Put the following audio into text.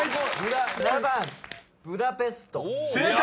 ７番「ブダペスト」［正解！